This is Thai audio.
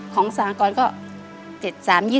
ของสหกรมก็๗๓๒๑